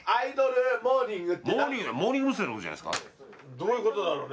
どういうことだろうね？